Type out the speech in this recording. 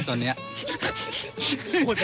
มันก็จะมีข้าวโหม๒ถูกนะคะ